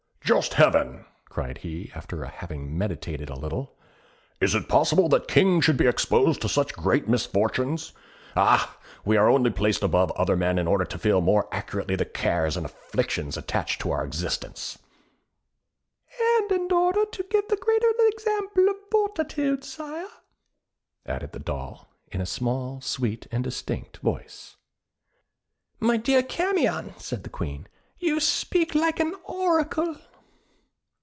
"Just heaven!" cried he, after having meditated a little, "is it possible that kings should be exposed to such great misfortunes? Ah! we are only placed above other men in order to feel more acutely the cares and afflictions attached to our existence." "And in order to give the greater example of fortitude, sire," added the Doll, in a small, sweet, and distinct voice. "My dear Camion," said the Queen, "you speak like an oracle."